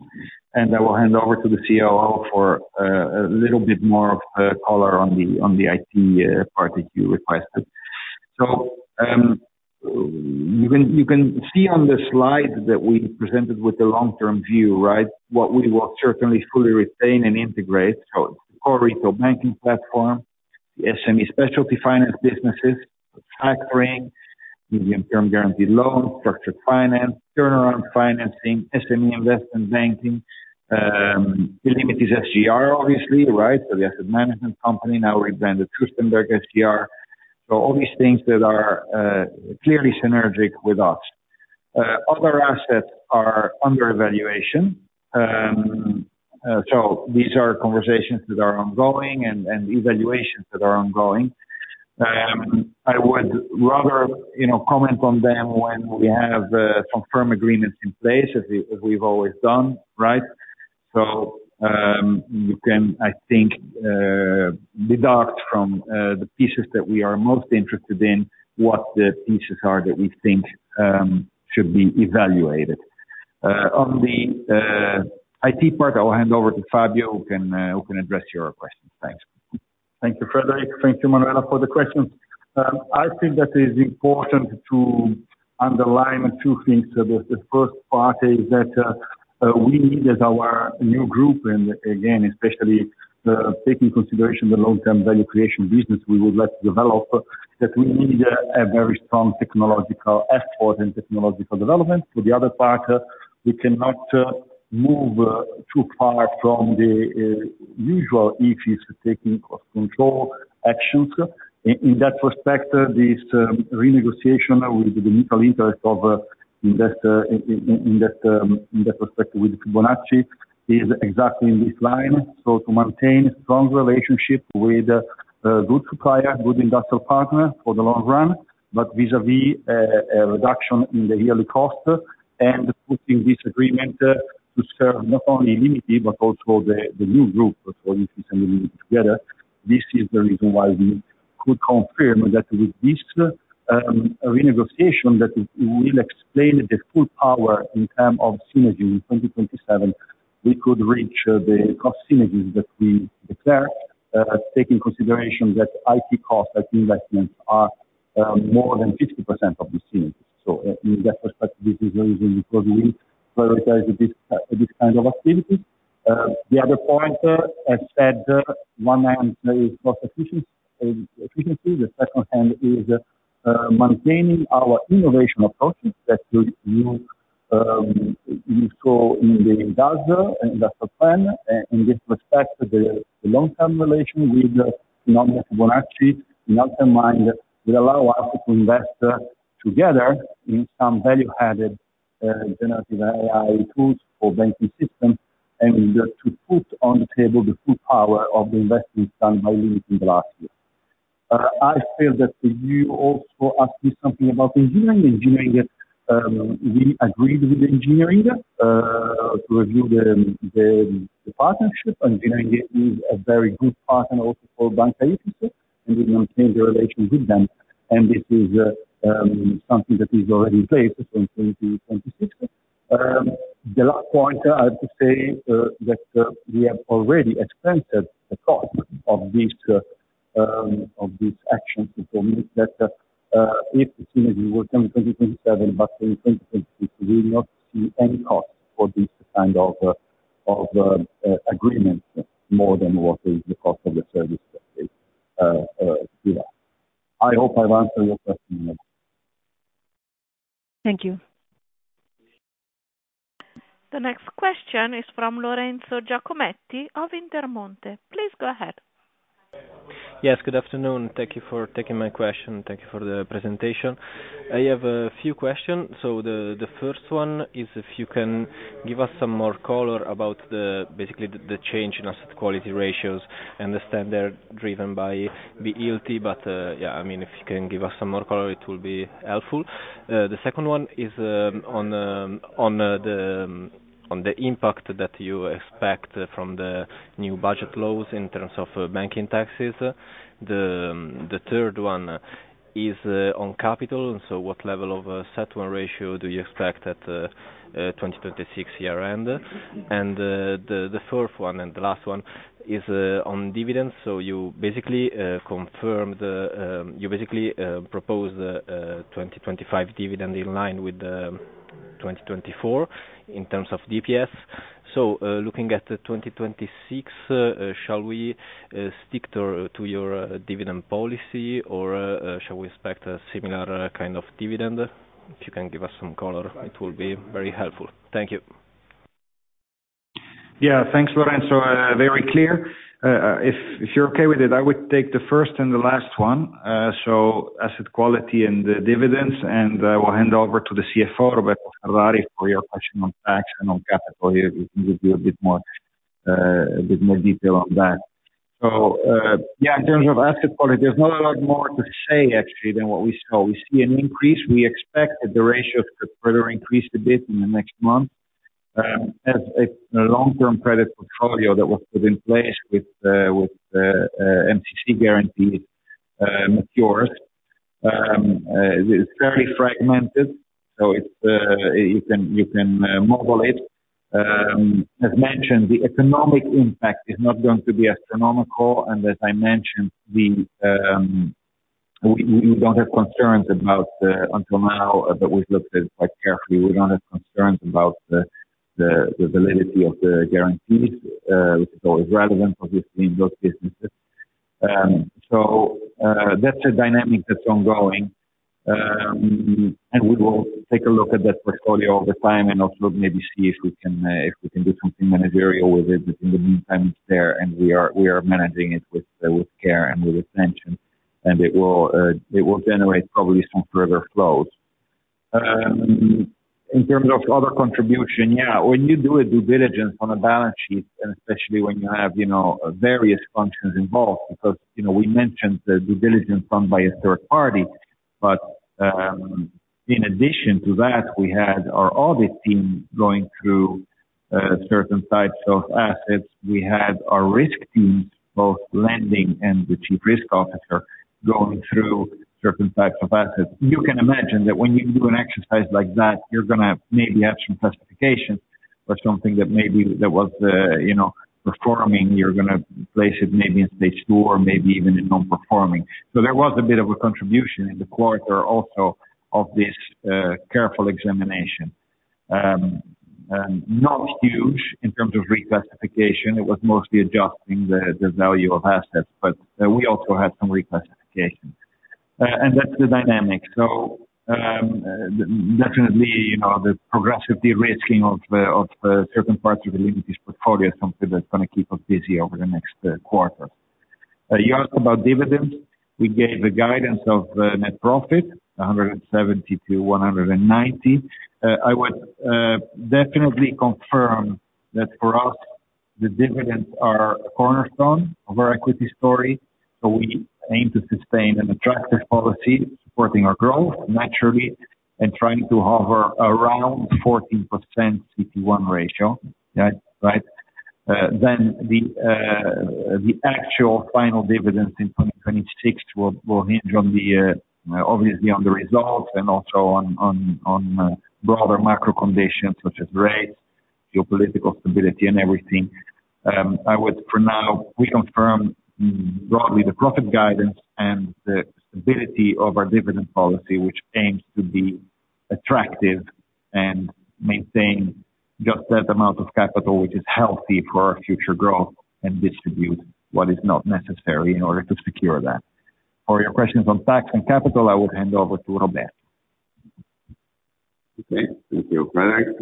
and I will hand over to the COO for a little bit more of color on the IT part that you requested. You can see on the slide that we presented with the long-term view, right? What we will certainly fully retain and integrate, so core retail banking platform, the SME specialty finance businesses, factoring, medium term guaranteed loans, structured finance, turnaround financing, SME investment banking, illimity's SGR obviously, right? The asset management company, now rebranded Fürstenberg SGR. All these things that are clearly synergic with us. Other assets are under evaluation. These are conversations that are ongoing and evaluations that are ongoing. I would rather, you know, comment on them when we have some firm agreements in place as we've always done, right? You can, I think, deduct from the pieces that we are most interested in, what the pieces are that we think should be evaluated. On the IT part, I will hand over to Fabio, who can address your question. Thanks. Thank you, Frederik. Thank you, Manuela, for the question. I think that is important to underline two things. The first part is that we need, as our new group, and again, especially, taking into consideration the long-term value creation business we would like to develop, that we need a very strong technological effort in technological development. For the other part, we cannot move too far from the usual issues for taking cost control actions. In that respect, this renegotiation with the mutual interest of investor in that respect with Finomnia is exactly in this line. To maintain strong relationship with good supplier, good industrial partner for the long run, but vis-à-vis a reduction in the yearly cost, and putting this agreement to serve not only illimity but also the new group. For this assembly together. This is the reason why we could confirm that with this, renegotiation that will explain the full power in terms of synergy in 2027, we could reach the cost synergies that we declare, taking into consideration that IT costs as investments are, more than 50% of the synergies. In that perspective, this is the reason because we prioritize this kind of activity. The other point, as said, on one hand is cost efficiency. The second hand is, maintaining our innovation approaches that will look, we saw in the last industrial plan. In this respect, the long-term relation with Fibonacci altermAInd will allow us to invest together in some value-added generative AI tools for banking system, and in order to put on the table the full power of the investments done by illimity in the last year. I feel that you also asked me something about Engineering. Engineering, we agreed with Engineering to review the partnership. Engineering is a very good partner also for Banca Ifis, and we will maintain the relations with them, and this is something that is already in place from 2026. The last point I have to say that we have already expended the cost of these actions to permit that if the synergy will come in 2027, but in 2028, we will not see any cost for this kind of agreement more than what is the cost of the service that they give us. I hope I've answered your question. Thank you. The next question is from Lorenzo Giacometti of Intermonte. Please go ahead. Yes, good afternoon. Thank you for taking my question. Thank you for the presentation. I have a few questions. The first one is if you can give us some more color about basically the change in asset quality ratios and the standard driven by b-ilty. Yeah, I mean, if you can give us some more color, it will be helpful. The second one is on the impact that you expect from the new budget laws in terms of banking taxes. Then, the third one is on capital. What level of CET1 ratio do you expect at 2026 year-end? The fourth one and the last one is on dividends. You basically confirmed you proposed a 2025 dividend in line with 2024 in terms of DPS. Looking at the 2026, shall we stick to your dividend policy or shall we expect a similar kind of dividend? If you can give us some color, it will be very helpful. Thank you. Yeah. Thanks, Lorenzo. Very clear. If you're okay with it, I would take the first and the last one, so asset quality and dividends, and we'll hand over to the CFO, Roberto Ferrari, for your question on tax and on capital. He will give you a bit more detail on that. Yeah, in terms of asset quality, there's not a lot more to say actually than what we saw. We see an increase. We expect that the ratios could further increase a bit in the next month, as a long-term credit portfolio that was put in place with MCC guarantees matures. It's very fragmented, so you can model it. As mentioned, the economic impact is not going to be astronomical. As I mentioned, we don't have concerns about it until now, but we've looked at it quite carefully. We don't have concerns about the validity of the guarantees, which is always relevant obviously in those businesses. That's a dynamic that's ongoing. We will take a look at that portfolio over time and also maybe see if we can do something managerial with it. In the meantime, it's there, and we are managing it with care and with attention, and it will generate probably some further flows. In terms of other contribution, yeah, when you do a due diligence on a balance sheet, and especially when you have, you know, various functions involved, because, you know, we mentioned the due diligence done by a third party. In addition to that, we had our audit team going through certain types of assets. We had our risk team, both lending and the chief risk officer, going through certain types of assets. You can imagine that when you do an exercise like that, you're gonna maybe have some classification or something that maybe that was, you know, performing, you're gonna place it maybe in stage two or maybe even in non-performing. There was a bit of a contribution in the quarter also of this careful examination. Not huge in terms of reclassification. It was mostly adjusting the value of assets, but we also had some reclassification. That's the dynamic. Definitely, you know, the progressive de-risking of certain parts of the limited portfolio is something that's gonna keep us busy over the next quarter. You ask about dividends. We gave a guidance of net profit, 170 million-190 million. I would definitely confirm that for us, the dividends are a cornerstone of our equity story, so we aim to sustain an attractive policy, supporting our growth naturally, and trying to hover around 14% CET1 ratio, right? The actual final dividends in 2026 will hinge on the obviously on the results and also on broader macro conditions such as rates, geopolitical stability and everything. I would for now reconfirm broadly the profit guidance and the stability of our dividend policy, which aims to be attractive and maintain just that amount of capital, which is healthy for our future growth, and distribute what is not necessary in order to secure that. For your questions on tax and capital, I would hand over to Roberto. Okay. Thank you, Frederik.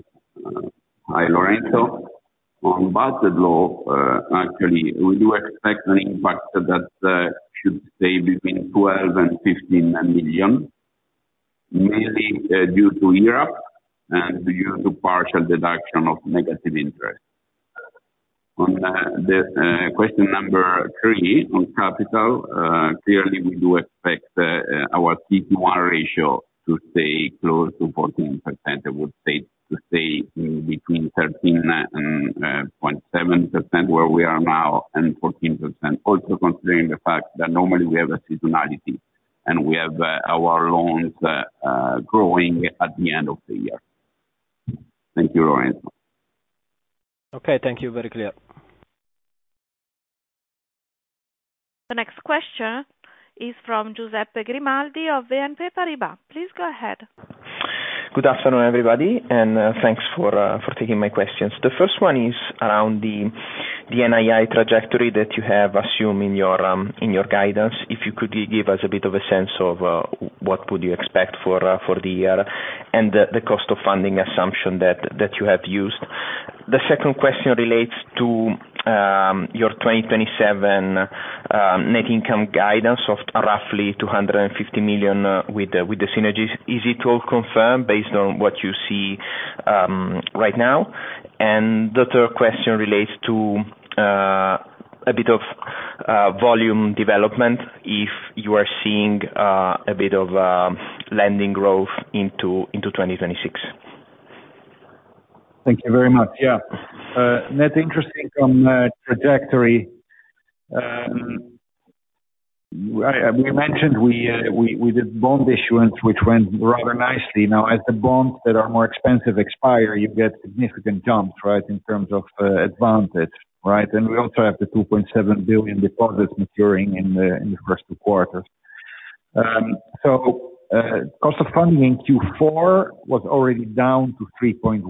Hi, Lorenzo. On budget law, actually, we do expect an impact that should stay between 12 million and 15 million, mainly due to Europe and due to partial deduction of negative interest. On the question number three, on capital, clearly, we do expect our CET1 ratio to stay close to 14%. I would say to stay in between 13% and 13.7%, where we are now, and 14%. Also considering the fact that normally we have a seasonality and we have our loans growing at the end of the year. Thank you, Lorenzo. Okay. Thank you. Very clear. The next question is from Giuseppe Grimaldi of BNP Paribas. Please go ahead. Good afternoon, everybody, and thanks for taking my questions. The first one is around the NII trajectory that you have assumed in your guidance. If you could give us a bit of a sense of what would you expect for the year and the cost of funding assumption that you have used. The second question relates to your 2027 net income guidance of roughly 250 million with the synergies. Is it all confirmed based on what you see right now? The third question relates to a bit of volume development, if you are seeing a bit of lending growth into 2026. Thank you very much. Yeah. Net interest income trajectory. We mentioned we did bond issuance, which went rather nicely. Now as the bonds that are more expensive expire, you get significant jumps, right, in terms of advantage, right? We also have the 2.7 billion deposits maturing in the first two quarters. Cost of funding in Q4 was already down to 3.1%.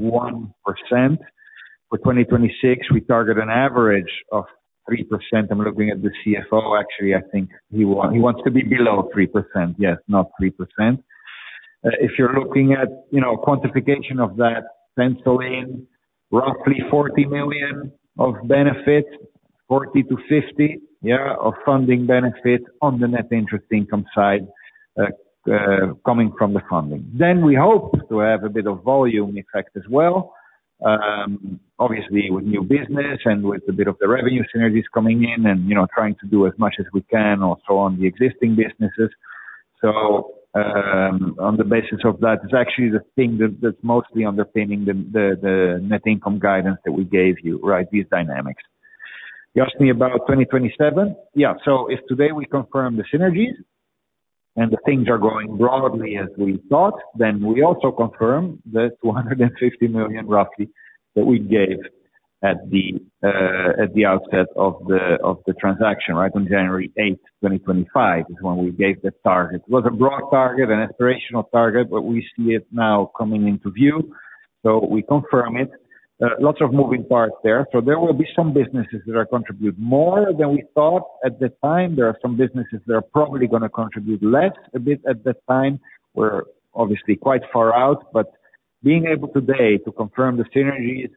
For 2026, we target an average of 3%. I'm looking at the CFO, actually. I think he wants to be below 3%. Yes, not 3%. If you're looking at quantification of that, then in roughly 40 million of benefit, 40 million-50 million, yeah, of funding benefit on the net interest income side coming from the funding. We hope to have a bit of volume effect as well, obviously with new business and with a bit of the revenue synergies coming in and, you know, trying to do as much as we can also on the existing businesses. On the basis of that, it's actually the thing that's mostly underpinning the net income guidance that we gave you, right? These dynamics. You asked me about 2027. Yeah. If today we confirm the synergies and the things are going broadly as we thought, then we also confirm the roughly 250 million that we gave at the outset of the transaction, right? January 8th, 2025 is when we gave that target. It was a broad target, an aspirational target, but we see it now coming into view, so we confirm it. Lots of moving parts there. There will be some businesses that will contribute more than we thought at the time. There are some businesses that are probably gonna contribute a bit less at that time. We're obviously quite far out, but being able today to confirm the synergies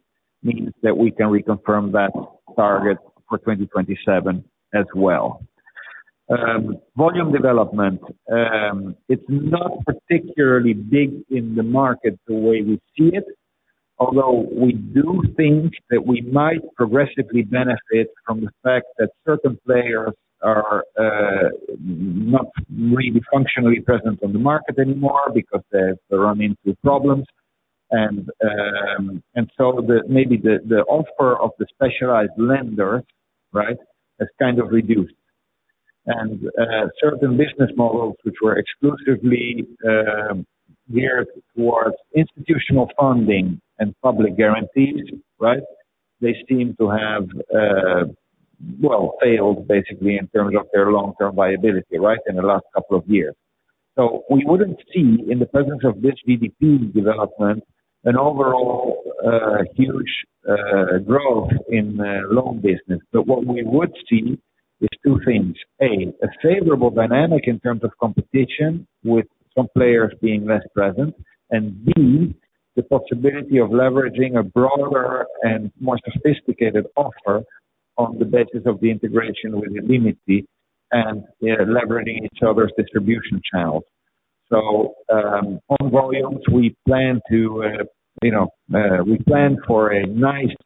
means that we can reconfirm that target for 2027 as well. Volume development, it's not particularly big in the market the way we see it, although we do think that we might progressively benefit from the fact that certain players are not really functionally present on the market anymore because they've run into problems. Maybe the offer of the specialized lender, right, has kind of reduced. Certain business models which were exclusively geared towards institutional funding and public guarantees, right? They seem to have well failed basically in terms of their long-term viability, right, in the last couple of years. We wouldn't see in the presence of this VDP development an overall huge growth in loan business. But what we would see is two things. A, a favorable dynamic in terms of competition with some players being less present. B, the possibility of leveraging a broader and more sophisticated offer on the basis of the integration with illimity and, yeah, leveraging each other's distribution channels. On volumes we plan for a nice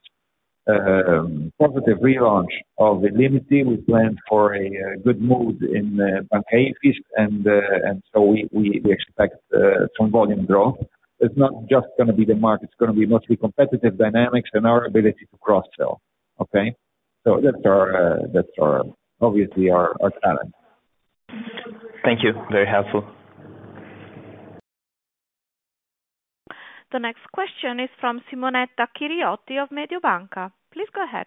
positive relaunch of illimity. We plan for a good mood in Banca Ifis and so we expect some volume growth. It's not just gonna be the market, it's gonna be mostly competitive dynamics and our ability to cross-sell. Okay. That's our, obviously, our challenge. Thank you. Very helpful. The next question is from Simonetta Chiriotti of Mediobanca. Please go ahead.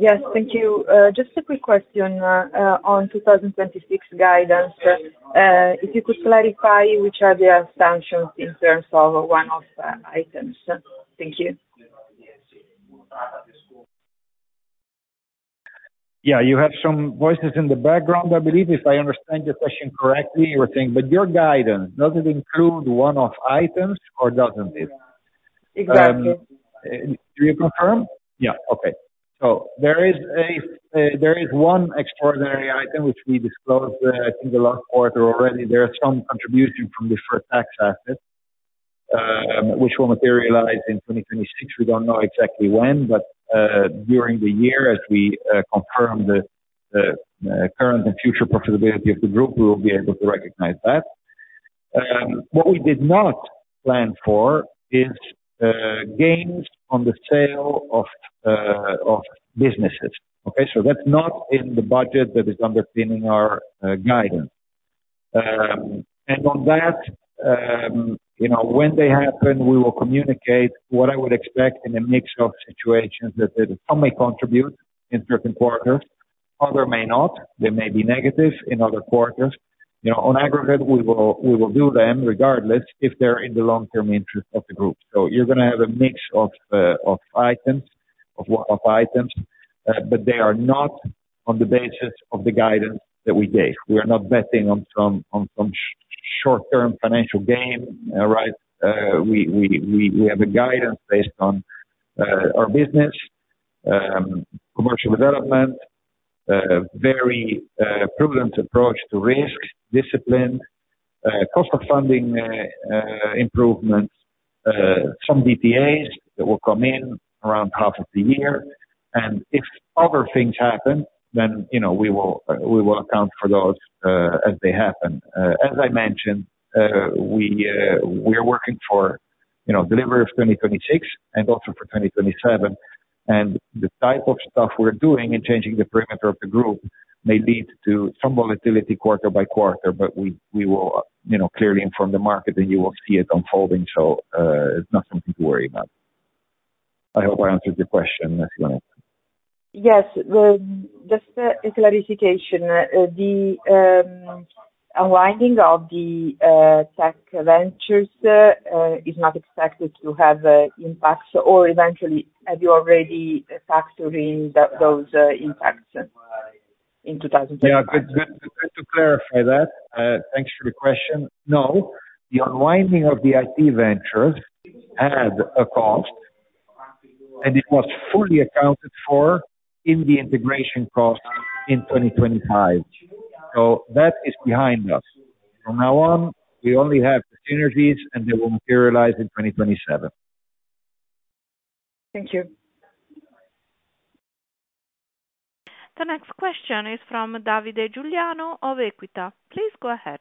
Yes, thank you. Just a quick question on 2026 guidance. If you could clarify which are the assumptions in terms of one-off items. Thank you. Yeah, you have some voices in the background. I believe if I understand your question correctly, you were saying, but your guidance, does it include one-off items or doesn't it? Exactly. Do you confirm? Yeah. Okay. There is one extraordinary item which we disclosed, I think the last quarter already. There are some contributions from Deferred Tax Assets, which will materialize in 2026. We don't know exactly when, but during the year, as we confirm the current and future profitability of the group, we will be able to recognize that. What we did not plan for is gains on the sale of businesses. Okay. That's not in the budget that is underpinning our guidance. And on that, you know, when they happen, we will communicate what I would expect in a mix of situations that they some may contribute in certain quarters, other may not. They may be negative in other quarters. You know, on aggregate, we will do them regardless if they're in the long-term interest of the group. You're gonna have a mix of items, but they are not on the basis of the guidance that we gave. We are not betting on some short-term financial gain, right? We have a guidance based on our business, commercial development, very prudent approach to risk discipline, cost of funding improvements, some DTAs that will come in around half of the year. If other things happen then, you know, we will account for those as they happen. As I mentioned, we're working for, you know, delivery of 2026 and also for 2027. The type of stuff we're doing in changing the perimeter of the group may lead to some volatility quarter by quarter, but we will, you know, clearly inform the market, and you will see it unfolding. It's not something to worry about. I hope I answered your question, Simonetta. Yes. Just a clarification. The unwinding of the tech ventures is not expected to have a impact or have you already factored in that those impacts in 2025? Yeah. Just to clarify that, thanks for the question. No, the unwinding of the IT ventures had a cost, and it was fully accounted for in the integration cost in 2025. That is behind us. From now on, we only have the synergies and they will materialize in 2027. Thank you. The next question is from Davide Giuliano of Equita. Please go ahead.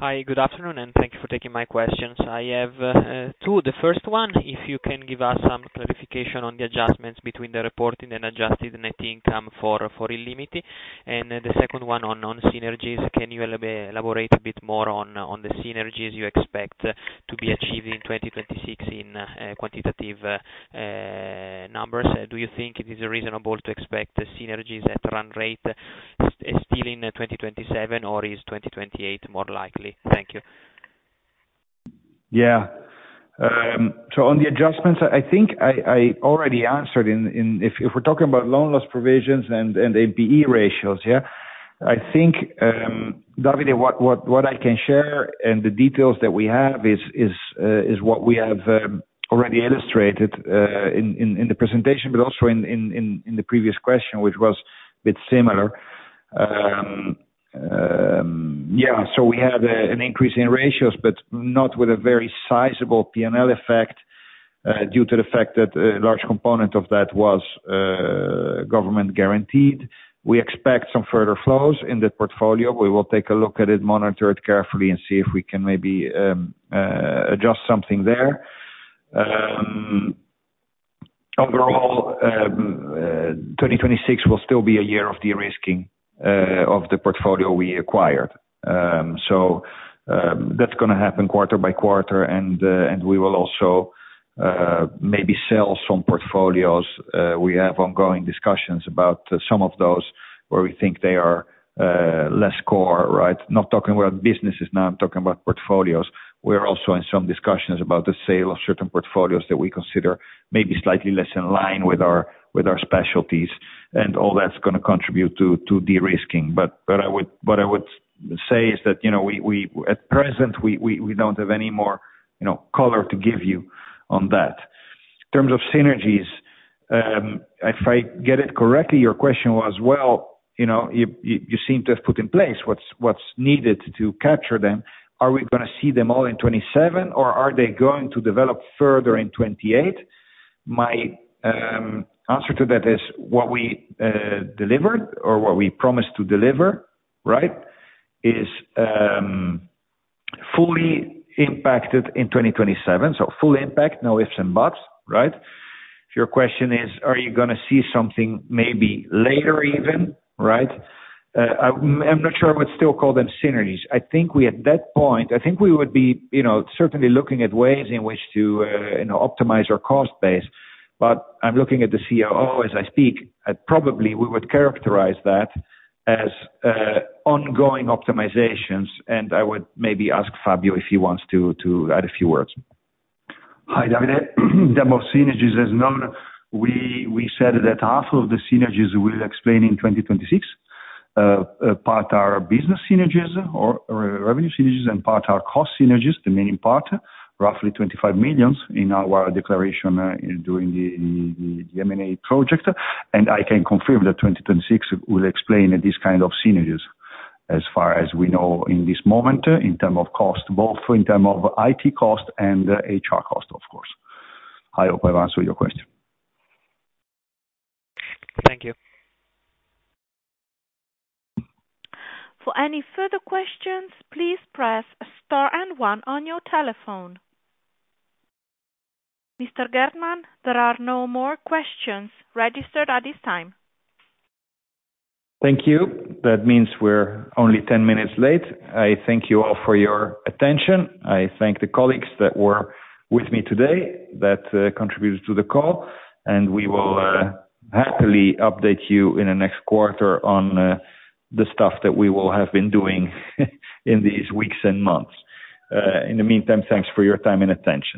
Hi, good afternoon, and thank you for taking my questions. I have two. The first one, if you can give us some clarification on the adjustments between the reporting and adjusted net income for illimity. Then the second one on synergies. Can you elaborate a bit more on the synergies you expect to be achieving 2026 in quantitative numbers? Do you think it is reasonable to expect synergies at run rate still in 2027 or is 2028 more likely? Thank you. Yeah. On the adjustments, I think I already answered. If we're talking about loan loss provisions and APE ratios, yeah. I think, Davide, what I can share and the details that we have is what we have already illustrated in the presentation, but also in the previous question, which was a bit similar. Yeah. We had an increase in ratios, but not with a very sizable P&L effect, due to the fact that a large component of that was government guaranteed. We expect some further flows in the portfolio. We will take a look at it, monitor it carefully and see if we can maybe adjust something there. Overall, 2026 will still be a year of de-risking of the portfolio we acquired. That's gonna happen quarter by quarter. We will also maybe sell some portfolios. We have ongoing discussions about some of those where we think they are less core, right? Not talking about businesses now, I'm talking about portfolios. We're also in some discussions about the sale of certain portfolios that we consider maybe slightly less in line with our specialties. All that's gonna contribute to de-risking. What I would say is that, you know, at present, we don't have any more, you know, color to give you on that. In terms of synergies, if I get it correctly, your question was: you seem to have put in place what's needed to capture them. Are we gonna see them all in 2027 or are they going to develop further in 2028? My answer to that is what we delivered or what we promised to deliver, right, is fully impacted in 2027. Full impact, no ifs and buts, right? If your question is, are you gonna see something maybe later even, right? I'm not sure I would still call them synergies. I think we, at that point, I think we would be, you know, certainly looking at ways in which to, you know, optimize our cost base. I'm looking at the COO as I speak. Probably we would characterize that as ongoing optimizations, and I would maybe ask Fabio if he wants to add a few words. Hi, Davide. In terms of synergies, as known, we said that half of the synergies we'll realize in 2026. A part are business synergies or revenue synergies and part are cost synergies, the main part, roughly 25 million in our declaration during the M&A project. I can confirm that 2026 will realize this kind of synergies as far as we know in this moment in terms of cost, both in terms of IT cost and HR cost, of course. I hope I've answered your question. Thank you. For any further questions, please press star and one on your telephone. Mr. Geertman, there are no more questions registered at this time. Thank you. That means we're only 10 minutes late. I thank you all for your attention. I thank the colleagues that were with me today that contributed to the call, and we will happily update you in the next quarter on the stuff that we will have been doing in these weeks and months. In the meantime, thanks for your time and attention.